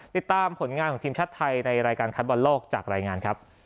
ติดตามผลงานของทีมชาติไทยในรายการคัดบอลโลกจากรายงานครับ